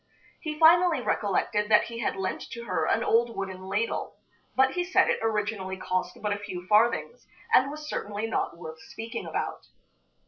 He finally recollected that he had lent to her an old wooden ladle, but he said it originally cost but a few farthings, and was certainly not worth speaking about.